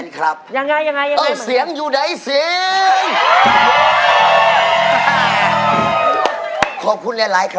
ครับผมเสียงอยู่ใดเหรียญ